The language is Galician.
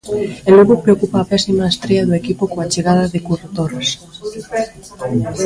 En Lugo preocupa a pésima estrea do equipo coa chegada de Curro Torres.